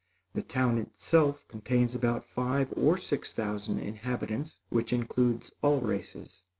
The town itself contains about five or six thousand inhabitants which includes all races.